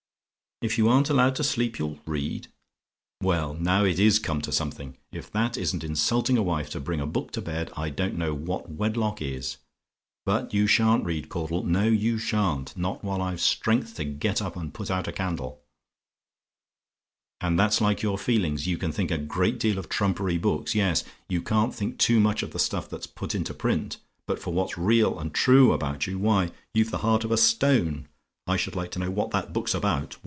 "IF YOU AREN'T ALLOWED TO SLEEP, YOU'LL READ? "Well, now it is come to something! If that isn't insulting a wife to bring a book to bed, I don't know what wedlock is. But you sha'n't read, Caudle; no, you sha'n't; not while I've strength to get up and put out a candle. "And that's like your feelings! You can think a great deal of trumpery books; yes, you can't think too much of the stuff that's put into print; but for what's real and true about you, why, you've the heart of a stone. I should like to know what that book's about.